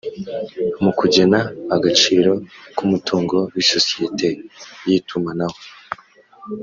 Mu kugena agaciro k umutungo w isosiyete y itumanaho